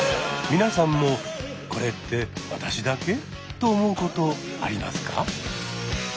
皆さんも「これって私だけ？」と思うことありますか？